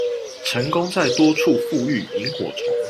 成功在多處復育螢火蟲